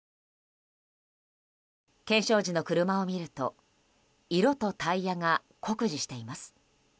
検証時の車を見ると色とタイヤが酷似しています。